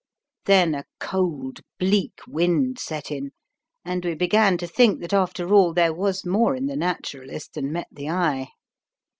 Then a cold bleak wind set in, and we began to think that, after all, there was more in the Naturalist than met the eye.